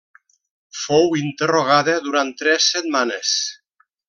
Fou interrogada durant tres setmanes.